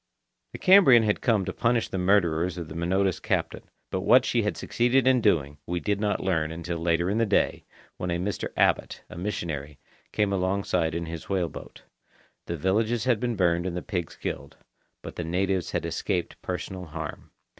The Cambrian had come to punish the murderers of the Minota's captain, but what she had succeeded in doing we did not learn until later in the day, when a Mr. Abbot, a missionary, came alongside in his whale boat. The villages had been burned and the pigs killed. But the natives had escaped personal harm.